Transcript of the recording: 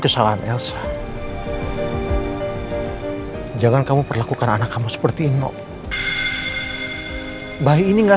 senyum fatahnya bisa shed komante ya